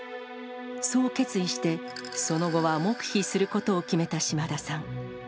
そう決意して、その後は黙秘することを決めた島田さん。